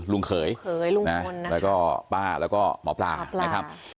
เขยลุงพลแล้วก็ป้าแล้วก็หมอปลานะครับ